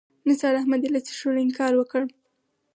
نثار احمدي له څښلو انکار وکړ.